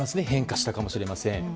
変化したかもしれません。